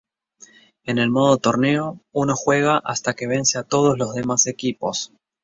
En el modo torneo, uno juega hasta que vence a todos los demás equipos.